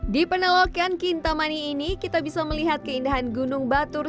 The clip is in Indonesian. di penolokan kintamani ini kita bisa melihat keindahan gunung batur